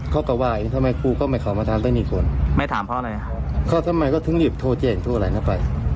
เขาทำไมก็ถึงหลีบโทรเจนทุกอะไรนะไป